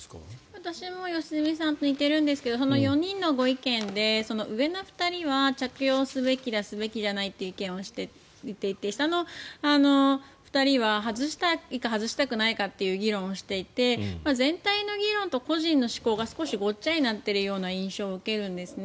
私も良純さんと似てるんですけど４人のご意見で上の２人は着用すべきだすべきじゃないという意見をしていて下の２人は、外したいか外したくないかという議論をしていて全体の議論と個人の嗜好が少しごっちゃになってる印象を受けるんですね。